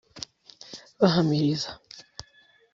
bahamiriza